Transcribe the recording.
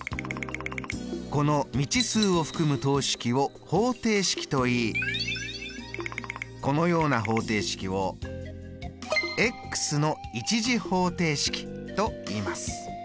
この未知数を含む等式を方程式といいこのような方程式をの１次方程式といいます。